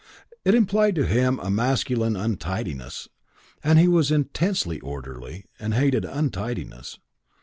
It implied to him a masculine untidiness, and he was intensely orderly and hated untidiness.